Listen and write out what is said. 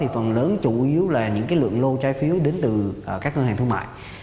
phần lớn chủ yếu là những lượng lô trái phiếu đến từ các ngân hàng thương mại